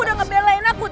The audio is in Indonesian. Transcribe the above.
udah ngebelain aku